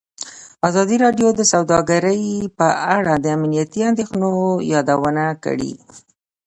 ازادي راډیو د سوداګري په اړه د امنیتي اندېښنو یادونه کړې.